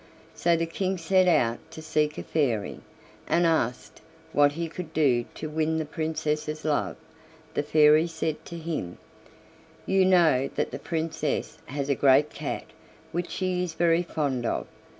So the King set out to seek a fairy, and asked what he could do to win the Princess's love. The Fairy said to him: "You know that the Princess has a great cat which she is very fond of.